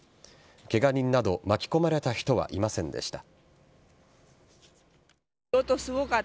ケガ人など巻き込まれた人はいませんでした。